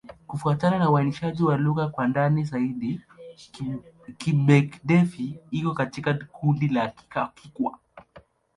Kufuatana na uainishaji wa lugha kwa ndani zaidi, Kigbe-Defi iko katika kundi la Kikwa.